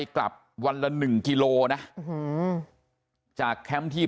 พวกมันกลับมาเมื่อเวลาที่สุดพวกมันกลับมาเมื่อเวลาที่สุด